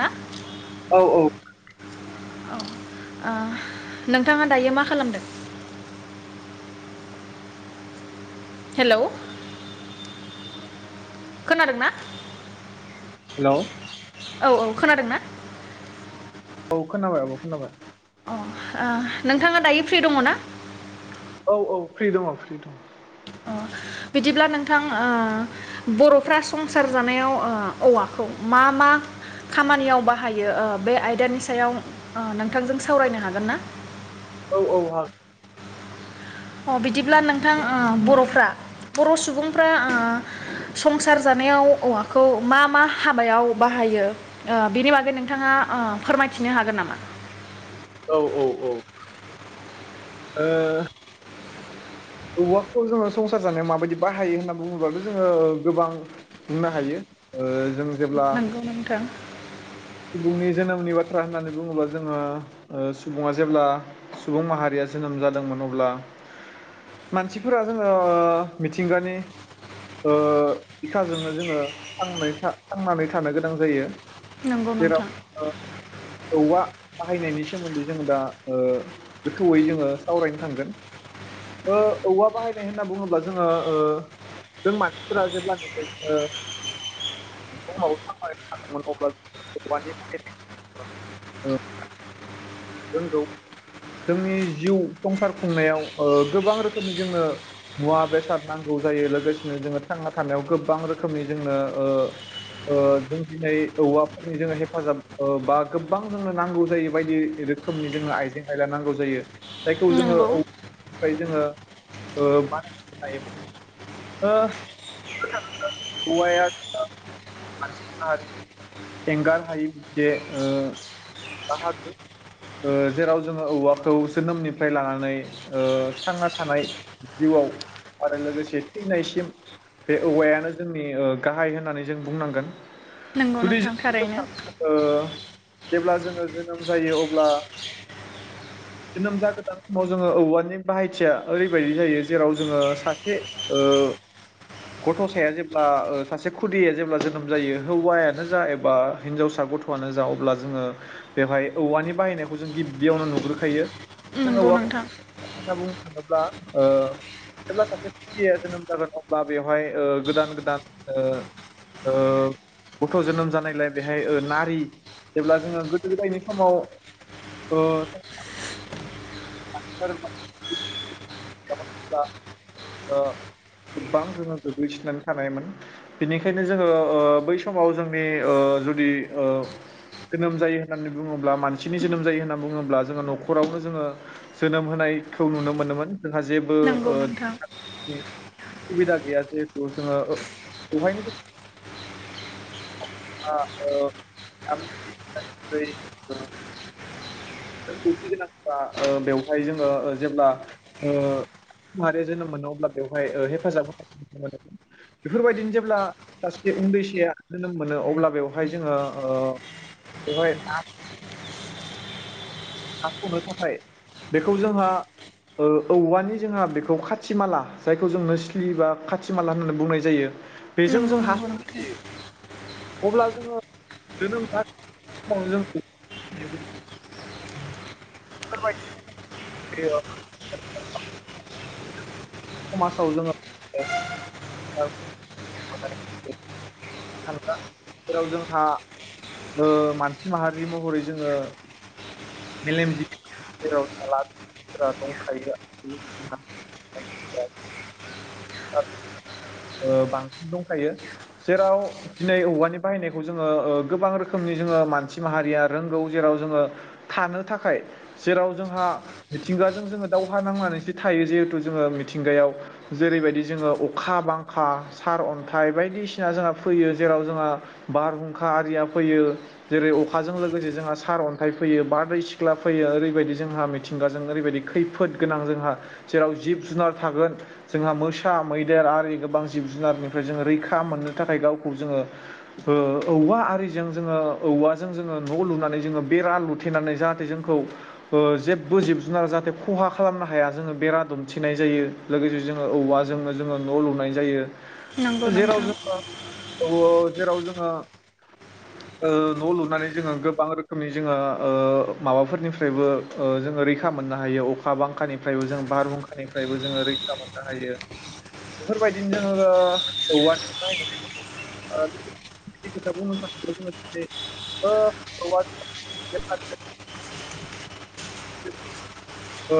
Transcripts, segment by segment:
ना औ ओ नोंथाङा दायो मा खालामदों? हेल' खोनादों ना? हेल' औ औ खोनादों ना? औ खोनाबाय आब खोनाबाय। अ ओ नोंथाङा दायो फ्रि दङ ना? औ औ फ्रि दङ फ्रि दं। अ बिदिब्ला नोंथां ओ बरफ्रा संसार जानायाव ओ औवाखौ मा मा खामानियाव बाहायो ओ बे आयदानि सायाव ओ नोंथांजों सावरायनो हागोन ना? औ औ हागो। अ बिदिब्ला नोंथां ओ बर'फ्रा बर' सुबुंफ्रा ओ संसार जानायाव औवाखौ मा मा हाबायाव बाहायो ओ बिनि बागै नोंथाङा ओ फोरमायथिनो हागोन नामा? औ औ औ ओ औवाखौ जोङो संसार जानायाव माबायदि बाहायो होनना बुङोबाथ जोङो गोबां बुंनो हायो ओ जों जेब्ला नंगौ नोंथां सुबुंनि जोनोमनि बाथ्रा होननानै बुङोब्ला जोङो ओ सुबुङा जेब्ला सुबुं माहारिया जोनोम जादोंमोन अब्ला मानसिफोरा जोङो ओ मिथिंगानि ओ बिखाजोंनो जोङो थांनाय था-थांनानै थानो गोनां जायो। नंगौ नोंथां जेराव औवा बाहायनायनि सोमोन्दै जोङो दा ओ गोथौयै जोङो सावरायनो थांगोन ओ औवा बाहायनाय होनना बुङोब्ला जोङो ओ जों मानसिफोरा जेब्लानिफ्राय ओ [inaudible] नानै थादोंमोन अब्ला औवानि [inaudible] जोंनि जिउ संसार खुंनायाव ओ गोबां रोखोमनि जोंनो मुवा बेसाद नांगौ जायो लोगोसेनो जोङो थांना थानायाव गोबां रोखोमनि जोंनो ओ ओ जों दिनै औवा जोङो हेफाजाब ओ बा गोबां जोङो नांगौ जायो बायदि रोखोमनि जोङो आइजें आयला नांगौ जायो जायखौ जोङो नंगौ औ निफ्राय जोङो ओ मा होनो [unintelligible] एंगार हायि बे ओ बाहागो ओ जेराव जोङो औवाखौ जोनोमनिफ्राय लानानै ओ थांना थानाय जिउआव आरो लोगोसे थैनायसिम बे औवायानो जोंनि ओ गाहाय होननानै जों बुंनांगोन। नंगौ नोंथां थार। [unintelligible] ओ जेब्ला जोङो जोनोम जायो अब्ला जोनोम जागोदान समाव जोङो औवानि बाहायथिया ओरैबायदि जायो जेराव जोङो सासे ओ गथ'साया जेब्ला ओ सासे खुदिया जेब्ला जोनोम जायो हौवायानो जा एब बा हिन्जावसा गथ'आनो जा अब्ला जोङो बेवहाय औवानि बाहायनायखौ जों गिबियावनो नुग्रोखायो। जों नंगौ औवाखौ नोंथां [unintelligible] जेब्ला ओ जेब्ला सासे खुदिया जोनोम जागोन अब्ला बेवहाय ओ गोदान गोदान ओ ओ गथ' जोनोम जानाय बेहाय ओ नारि जेब्ला जोङो गोदो गोदायनि समाव ओ [inaudible] गोबां जोङो गोग्लैसोनानै थानायमोन बेनिखायनो जोङो बै समाव जोंनि जुदि जोनोम जायो होननानै बुङोब्ला मानसिनि जोनोम जायो होननानै बुङोब्ला जोङो नखरावनो जोङो जोनोम होनायखौ नुनो मोनोमोन। जोंहा जेबो नंगौ नोंथां [inaudible] सुबिदा गैयाजे [inaudible] आ औ [inaudible] रोंगौथि गोनां बा बेवहाय जोङो जेब्ला ओ [inaudible] माहारिया जोनोम मोनो अब्ला बेवहाय हेफाजाब होनाय नु मोनो बेफोरबायदिनो जेब्ला सासे उन्दैसाया जोनोम मोनो अब्ला बेवहाय जोङो बेवहाय [inaudible] हाखनो थाखाय बेखौ जोंहा औवानि जोंहा बेखौ खाथि माला जायखौ जों नोस्लि बा खाथि माला होननानै बुंनाय जायो। बेजों नंगौ जों नंगौ हासनाय नोंथां जायो। अब्ला जोङो जोनोम [inaudible] [inaudible] समाजाव जोङो। औ। जेराव जोंहा मानसि माहारि महरै जोङो। मेलेम जिबि जेराव [inaudible] दंखायो [inaudible] औ। बांसिन दंखायो जेराव दिनै औवानि बाहायनायखौ जोङो गोबां रोखोमनि जोङो मानसि माहारिया रोंगौ जेराव जोङो थानो थाखाय जेराव जोंहा मिथिंगाजों जोङो दावहा नांनानैसो थायो जिहेथु जोङो मिथिंगायाव जेरैबायदि जोङो अखा बांखा। बांखा सारअन्थाइ बायदिसिना जोंहा फैयो जेराव जोंहा बारहुंखा आरिया फै जेरै अखाजों लोगोसे जोंहा सार अन्थाइ फैयो बारदै सिख्ला फैयो ओरैबायदि जोंहा मिथिंगाजों ओरैबायदि खैफोद गोनां जोंहा जेराव जिब जुनार थागोन जोंहा मोसा मैदेर आरि। गोबां जिब जुनारनिफ्राय जोङो रैखा मोननो थाखाय गावखौ जोङो ओ-औवा आरिजों जोङो औवाजों जोङो न' लुनानै जोङो बेरा लुथेनानै जाहाथे जोंखौ ओ-जेबो जिब जुनार जाहाथे खहा खालामनो हाया जोङो बेरा दुमथेनाय जायो लोगोसे जोङो औवाजोंनो जोङो न' लुनाय। नंगौ जायो। जेराव नोंथां जों औ औ जेराव जों। ओ-न लुनानै जोङो गोबां रोखोमनि जोङो ओ- माबाफोरनिफ्रायबो ओ-जोङो रैखा मोननो हायो अखा बांखानिफ्रायबो जों बारहुंखानिफ्रायबो जों रैखा मोननो हायो बेफोरबायद फिन जोङो औवानि बाहायनाय ओ- [unintelligible] ओ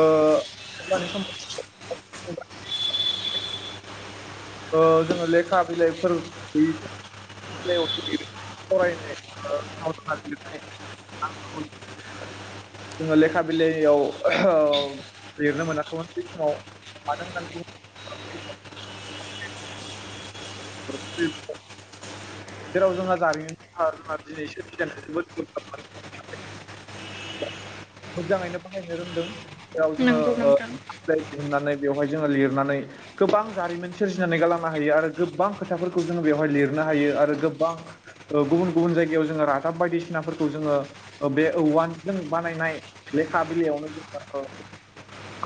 ओमबानि समा [unintelligible] ओ जोङो लेखा बिलाइफोर गैयि। [unintelligible] जोङो लेखा बिलाइयाव लिरनो मोनाखैमोन बै समाव मानो होननानै बुङो - [unintelligible] जेराव जोंहा जारिमिन दिनै [unintelligible] मोजाङैनो बाहायनो रोंदों जोङो नंगौ ओ नोंथां होननानै [unintelligible] बेवहाय जोङो लिरनानै गोबां जारिमिन सोरजिनानै गालांनो हायो आरो गोबां खोथाफोरखौ जोङो बेवहाय लिरनो हायो आरो। ओ-गोबां गुबुन गुबुन जायगायाव जोङो ओ- रादाब बायदिसिना जोङो ओ-बे औवानजों बानायनाय लेखा बिलाइयावनो जोङो ओ-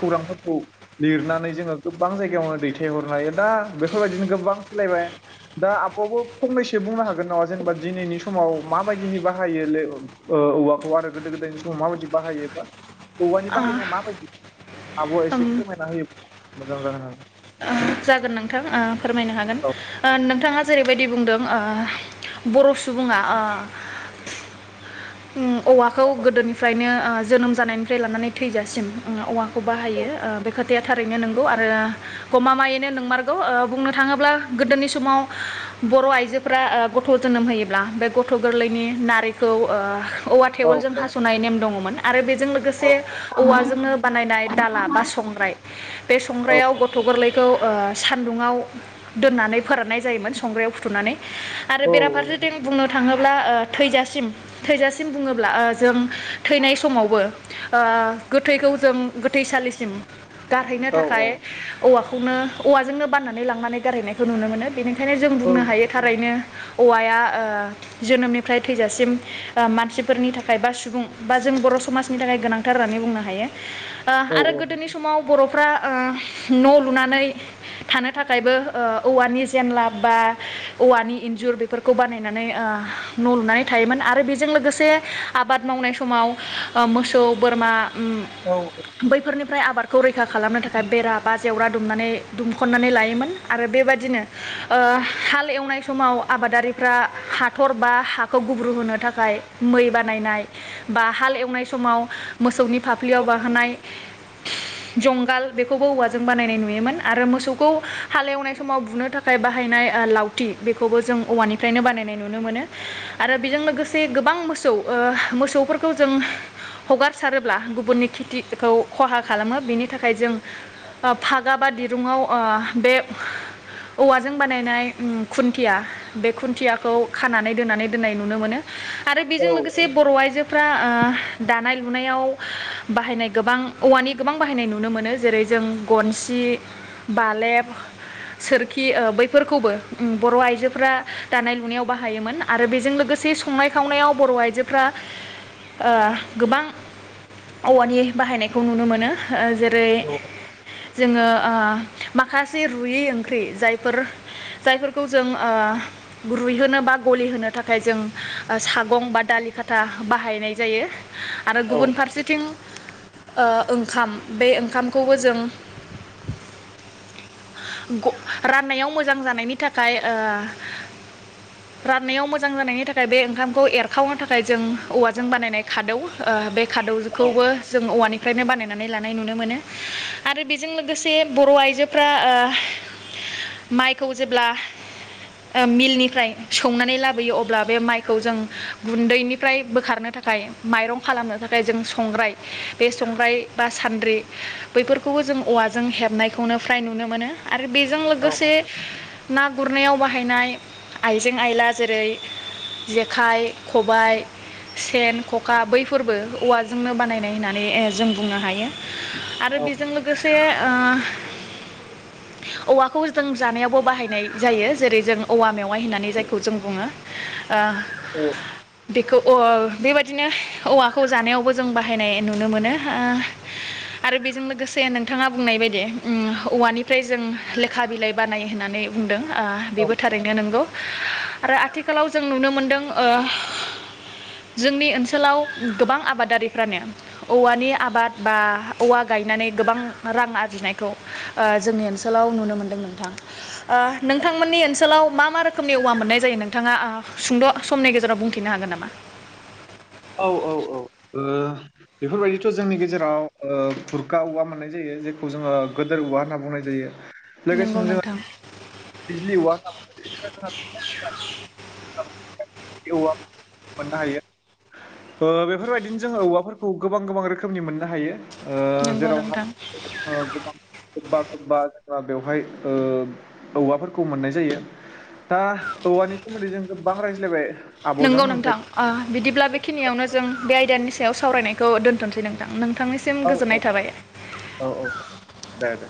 खौरांफोरखौ लिरनानै जोङो गोबां जायगायावनो दैथायहरनो हरनो हायो दा बेफोरबायदिनो गोबां सोलायबाय दा आब'बो फंनैसो। बुंनो हागोन नामा जेनेबा दिनैनि समाव माबायदिहै बाहायो ल ओ-औवाखौ आरो गोदो गोदायनि समाव माबायदि बाहायोबा? औवानि बाहायनाया माबायदि? आब' एसे ओम फोरमायना हो मोजां जागोन आरो। जागोन नोंथां ओ फोरमायनो हागोन ओ नोंथाङा जेरैबायदि बुंदों ओ-बर' सुबुङा आ- ओ-औवाखौ गोदोनिफ्रायनो ओ-जोनोम जानायनिफ्राय लानानै थैजासिम औवा। औ बाहायो ओ बे खोथाया। थारैनो नोंगौ आरो गमामा। मायैनो नोंमारगौ ओ बुंनो थाङोब्ला गोदोनि समाव बर' आइजोफोरा ओ-गथ' जोनोम होयोब्ला बे गथ' गोरलैनि नारिखौ ओ औवा थेवलजों हास'नाय नेम दङमोन। आरो बेद जों औ लोगोसे औवाजोंनो बानायनाय दाला बा संग्राय बे औ संग्रायाव गथ' गोरलै। खौ ओ सान्दुंङाव दोननानै फोराननाय जायोमोन। संग्रायाव फुथुमनानै। आरो औ बेराफारसेथिं बुंनो थाङोब्ला ओ थैजासिम थैजासिम बुङोब्ला ओ जों थैनाय समावबो ओ गोथैखौ जों गोथैसालिसिम गारहैनो औ थाखाय औवाखौ नों औवाजोंनो बाननानै लांनानै गारहायनायखौ नुनो मोनो। बेनिखायनो जों औ बुंनो हायो थारैनो। औवाया ओ जोनोमनिफ्राय थैजासिम ओ मानसि फोरनि थाखाय बा सुबुं बा जों बर' समाजनि थाखाय गोनांथार होननानै बुंनो हायो। ओ औ आरो गोदोनि समाव। बरफ्रा ओ न लुना नै थानो थाखायबो ओ औवानि जेनला बा औवानि इन्जुर बे फोरफोरखौ बानायनानै न' लुनानै थायोमोन आरो बेजों लोगोसे आबाद मावनाय समाव मोसौ बोरमा उम औ बैफोरनि निफ्राय आबादखौ रैख खा खालामनो थाखाय बेरा बा जेवरा दुमनानै दुमखननानै लायोमोन आरो बेबादिनो ओ हाल एवनाय समाव आबादारिफ्रा हाथर बा हाखौ गुब्रु होनो थाखाय मै बानायनाय बा हाल एवनाय समाव मोसौनि फाफ्लियाव बाहोनाय जंगाल बेखौबो औवाजों बानायनाय नु योमोन आरो मोसौखौ हालेवनाय समाव बुनो थाख खाय बाहायनाय लाव थि बेखौबो जों औवानिफ्रायनो बानायनाय नुनो मोनो आरो बेजों लोगोसे गोबां मोसौ ओ मोसौफोरखौ जों हगारसारोब्ला गुबुननि खेथिखौ खहा खालामो बेनि थाखाय जों फा ग्रा बा दिरुङाव बे औवाजों बानायनाय उम खुन्थिया बे खुन्थियाखौ खानानै दोनानै दोननाय नुनो मोनो आरो बेजों लोगोसे बर आइजो फ्रा दानाय लुनायाव बाहायनाय गोबां औवानि गोबां बाहायनाय नुनो मोनो जेरै जों गन्स सि बालेब सोरखि ओ बैफोरखौबो बर आइजोफ्रा दानाय लुनायाव बाहायोमोन आरो बेजों लोगोसे संनाय खावनायाव बर आइजोफ्रा ओ गोबां औवानि बाहायनायखौ नुनो मोनो जेरै जोङो ओ माखासे रुयै ओंख्रि जायफोर जायफोरखौ जों ओ रुइहोनो बा गलिहोनो थाखाय जों सागं बा दालि खाथा बाहायनाय जायो आरो गुबुन फारसेथिं ओ ओंखाम बे ओंखामखौबो जों ग राननायाव मोजां जानायनि थाखाय ओ राननायाव मोजां जानायनि थाखाय बे ओंखामखौ एरखावनो थाखाय जों औवाजों बानायनाय खादौ ओ बे खादौखौबो जों औवानि -फ्रायनो बानायनानै लानाय नुनो मोनो आरो बेजों लोगोसे बर आइजोफ्रा ओ माइखौ जेब्ला मिलनिफ्राय सौनानै लाबोयो अब्ला बे माइ -खौ जों गुन्दैनिफ्राय बोखारनो थाखाय माइरं खालामनो थाखाय जों संग्राय बे संग्राय बा सान्द्रि बैफोर- -खौबो जों औवाजों हेबनायखौनो फ्राय नुनो मोनो आरो बेजों लोगोसे ना गुरनायाव बाहाय- -हायनाय आइजें - आइला जेरै जेखाइ, खबाइ सेन, खखा बैफोरबो औवाजोंनो बानायनाय होननानै जों बुंनो हायो आरो बे- लोगोसे ओ औवाखौ जों जानायावबो बाहायनाय जायो जेरै जों औवा मेवाइ होननानै जायखौ जों बुङो ओ औ औ बेखौ बेबायदिनो औवाखौ जानायावबो जों बाहायनाय नुनो मोनो आरो बेजों लोगोसे। से नोंथाङा बुंनाय बायदि औवानिफ्राय जों लेखा बिलाइ बानायो होननानै बुंदों। औ बेबो थारैनो नंगौ। आरो आथिखालाव जों नुनो मोनदों ओ जोंनि ओनसोलाव गोबां आबादारिफ्रानो औवानि आबाद बा औवा गायनानै गोबां रां आरजिनायखौ ओ जोंनि ओनसोलाव नुनो मोनो। मोन्दों नोंथां ओ नोंथांमोननि ओनसोलाव मा मा रोखोमनि औवा मोननाय जायो नोंथाङा ओ सुंद' समनि गेजेराव बुंथिनो हागोन नामा औ - औ औ बेफोरबायदिथ' जोंनि गेजेराव बुरखा औवा मोननाय जायो जेखौ जोङो गोदोर औवा होनना बुंनाय जायो। नंगौ लोगोसेनो जों नोंथां बिजलि औवा होनना बुंनाय जायो। औवा मोननो हायो। बेफोरबायदिनो जोङो औवाफोरखौ गोबां गोबां रोखोमनि मोननो हायो। ओ नंगौ जेरावहाय नोंथां जों गोबां गोबां बा बेवहाय ओ औवाफोरखौ मोननाय जायो दा औवानि सोमोन्दै जों। बां रायज्लायबाय। आब'जों नंगौ नोंथां ओमफ्राय बिदिब्ला बेखिनियावनो। जों बे आयदानि सायाव सावरायनायखौ दोन्थ'सै नोंथां नों। नोंथांनिसिम औ औ गोजोननाय थाबाय। औ औ दे दे